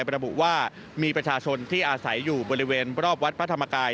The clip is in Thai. ระบุว่ามีประชาชนที่อาศัยอยู่บริเวณรอบวัดพระธรรมกาย